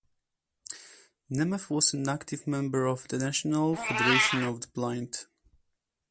Nemeth was an active member of the National Federation of the Blind.